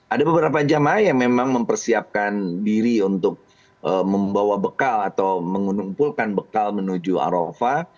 ada beberapa jamaah yang memang mempersiapkan diri untuk membawa bekal atau mengumpulkan bekal menuju arafah